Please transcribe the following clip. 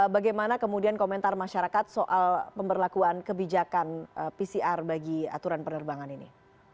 bagaimana kemudian komentar masyarakat soal pemberlakuan kebijakan pcr bagi aturan penerbangan ini